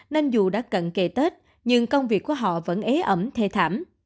nên dù đã cận kề tết nhưng công việc của họ vẫn ế ẩm thê thảm